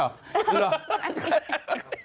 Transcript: นั่งเร็ว